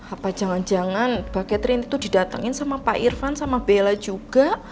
apa jangan jangan bu catherine itu didatengin sama pak irvan sama bella juga